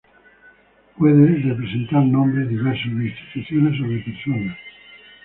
Puede representar nombres diversos, de instituciones o de personas.